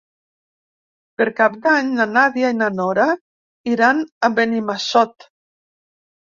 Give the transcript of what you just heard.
Per Cap d'Any na Nàdia i na Nora iran a Benimassot.